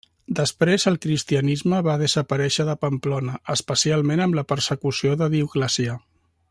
Després el cristianisme va desaparèixer de Pamplona, especialment amb la persecució de Dioclecià.